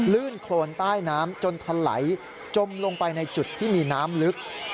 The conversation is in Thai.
ลื่นโครนใต้น้ำจนทะไหลจมลงไปในจุดที่มีน้ำลึก